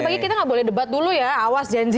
pagi pagi kita gak boleh debat dulu ya awas janji